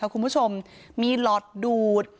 คุณผู้ชมมีหลอดดูด